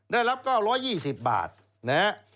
ได้รับก็๑๒๐บาทนะครับ